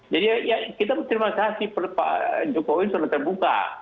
jadi ya kita berterima kasih pak jokowi sudah terbuka